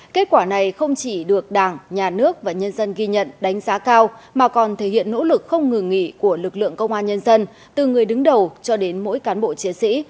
kết quả này không chỉ được đảng nhà nước và nhân dân ghi nhận đánh giá cao mà còn thể hiện nỗ lực không ngừng nghỉ của lực lượng công an nhân dân từ người đứng đầu cho đến mỗi cán bộ chiến sĩ